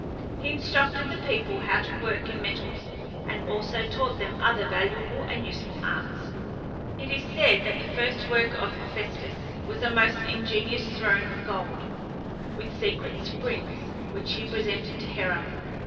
He instructed the people how to work in metals, and also taught them other valuable and useful arts. It is said that the first work of Hephæstus was a most ingenious throne of gold, with secret springs, which he presented to Hera.